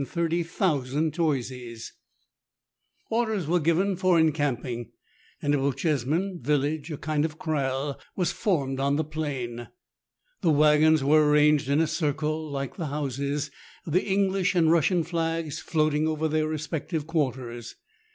62 MERIDIANA ; THE ADVENTURES OF Orders were given for cncampin':^, and a Bochjesman village, a kind of kraal, was formed on the plain. The waggons were arranged in a circle like the houses, the English and Russian flags floating over their respective quarters.